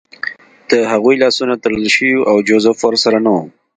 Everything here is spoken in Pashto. د هغوی لاسونه تړل شوي وو او جوزف ورسره نه و